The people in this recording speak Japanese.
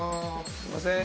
すいません。